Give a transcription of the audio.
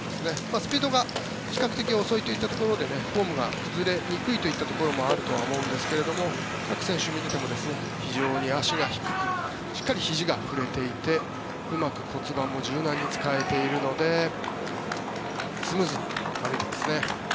スピードが比較的遅いといったところでフォームが崩れにくいというところもあるとは思うんですけど各選手を見ていても非常に足がしっかりひじが振れていてうまく骨盤も柔軟に使えているのでスムーズに歩いていますね。